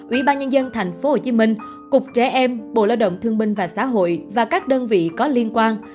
ủy ban nhân dân tp hcm cục trẻ em bộ lao động thương binh và xã hội và các đơn vị có liên quan